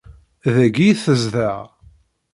Dagi i tezdeɣ.